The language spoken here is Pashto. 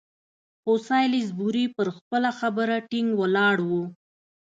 خو سالیزبوري پر خپله خبره ټینګ ولاړ وو.